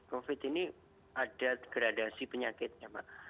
covid ini ada gradasi penyakitnya mbak